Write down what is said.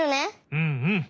うんうん！